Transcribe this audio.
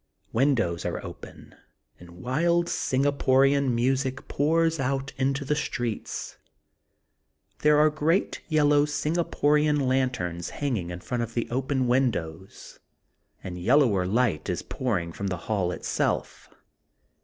Windows are open and wild Singaporian music pours out into the streets. There are great yellow Singaporian lanterns hanging in front of the open windows and yellower Ught is pouring from the hall itself.